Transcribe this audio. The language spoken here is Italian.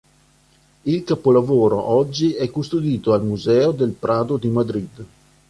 Il capolavoro oggi è custodito al Museo del Prado di Madrid.